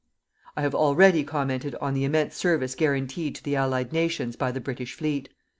I have already commented on the immense service guaranteed to the Allied nations by the British fleet.